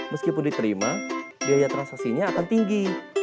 meskipun diterima biaya transaksinya akan tinggi